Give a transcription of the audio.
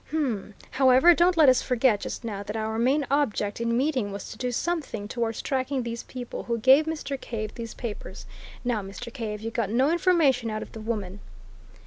Um! However, don't let us forget, just now, that our main object in meeting was to do something towards tracking these people who gave Mr. Cave these papers. Now, Mr. Cave, you got no information out of the woman?"